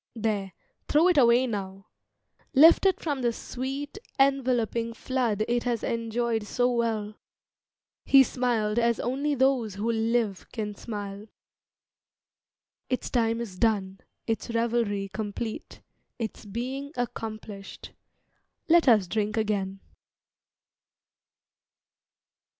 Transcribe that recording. There, throw it away now! Lift it from the sweet Enveloping flood it has enjoyed so well;" (He smiled as only those who live can smile) "Its time is done, its revelry complete, Its being accomplished. Let us drink again."